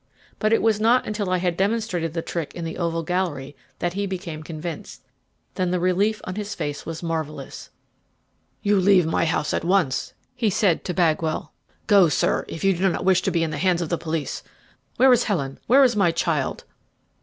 But it was not until I had demonstrated the trick in the oval gallery that he became convinced; then the relief on his face was marvellous. "You leave my house at once," he said to Bagwell; "go, sir, if you do not wish to be in the hands of the police. Where is Helen? where is my child?"